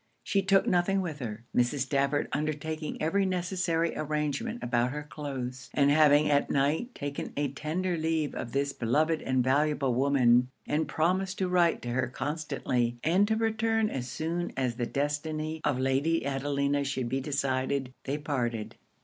She took nothing with her, Mrs. Stafford undertaking every necessary arrangement about her cloaths and having at night taken a tender leave of this beloved and valuable woman, and promised to write to her constantly and to return as soon as the destiny of Lady Adelina should be decided, they parted.